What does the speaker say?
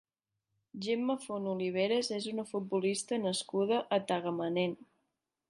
Gemma Font Oliveras és una futbolista nascuda a Tagamanent.